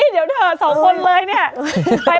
เดี๋ยวเถอะสองคนเลยเนี่ย